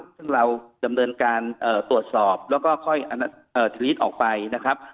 ซึ่งเราดำเนินการตรวจสอบแล้วก็ค่อยทวิตออกไปนะครับ